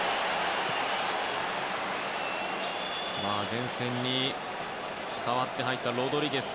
前線に代わって入ったロドリゲス。